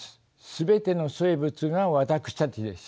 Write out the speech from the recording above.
全ての生物が私たちです。